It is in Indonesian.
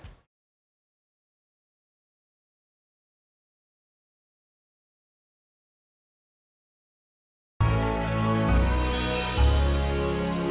yuk kita tournament di asx